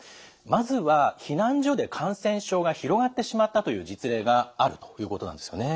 まずは避難所で感染症が広がってしまったという実例があるということなんですよね。